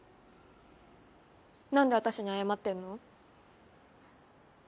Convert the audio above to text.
なんで私に謝ってんの？